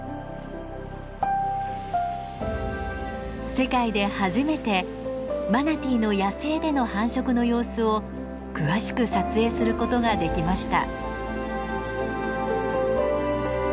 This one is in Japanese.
世界で初めてマナティーの野生での繁殖の様子を詳しく撮影することができました。